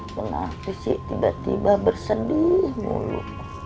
kenapa sih tiba tiba bersedih mulu